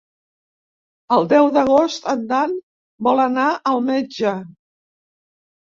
El deu d'agost en Dan vol anar al metge.